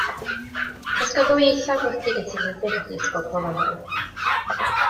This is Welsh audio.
Ysgol ddwyieithog, wledig yn Sir Ddinbych ydy Ysgol Bro Famau.